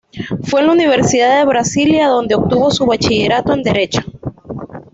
Fue en la Universidad de Brasilia donde obtuvo su Bachillerato en Derecho.